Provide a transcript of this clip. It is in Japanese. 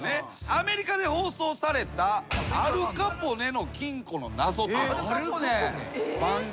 アメリカで放送された『アル・カポネの金庫の謎』という番組。